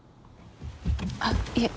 あっいえ